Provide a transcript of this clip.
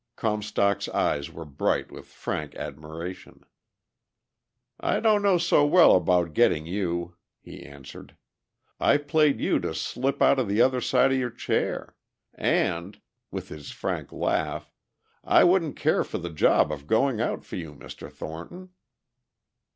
Comstock's eyes were bright with frank admiration. "I don't know so well about getting you," he answered. "I played you to slip out on the other side of your chair. And," with his frank laugh, "I wouldn't care for the job of going out for you, Mr. Thornton."